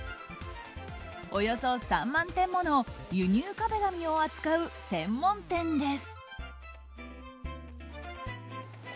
およそ３万点もの輸入壁紙を扱う専門店です。